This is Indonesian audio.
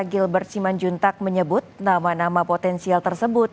gilbert simanjuntak menyebut nama nama potensial tersebut